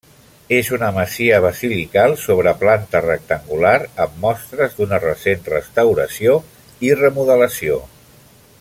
És una masia basilical sobre planta rectangular amb mostres d'una recent restauració i remodelació.